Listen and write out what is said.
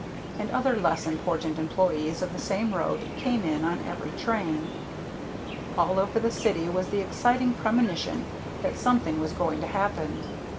and other less important employees of the same road came in on every train. All over the city was the exciting premonition that something was going to happen.